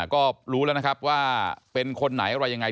ก็รู้แล้วนะครับว่าเป็นคนไหนอะไรยังไง